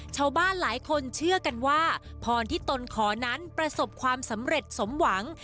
ชาวบ้านหลายคนเชื่อกันว่าพรที่ตนขอนั้นประสบความสำเร็จสมหวัง